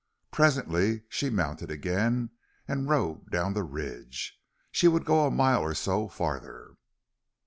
Presently she mounted again and rode down the ridge. She would go a mile or so farther.